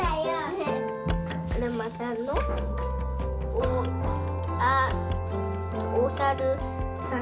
おあおさるさん？